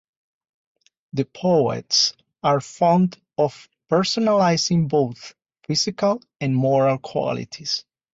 The poets are fond of personalizing both physical and moral qualities.